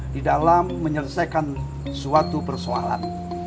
di dalam menyelesaikan suatu persoalan